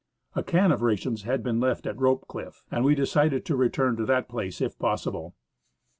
A can of rations had been left at Rope cliff, and we decided to return to that place if possi ble.